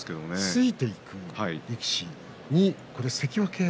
ついていく力士は関脇。